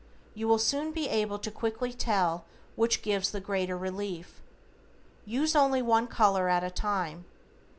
You will soon be able to quickly tell which gives the greater relief. Use only one color at a time.